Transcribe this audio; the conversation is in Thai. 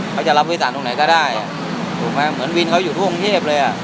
เขาจะรับวิสาททุกไหนก็ได้ถูกไหมเหมือนวินเขาอยู่ทุกองเทพฯเลยอ่ะ